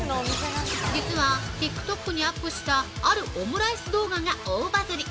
実は、ＴｉｋＴｏｋにアップした、あるオムライス動画が大バズり！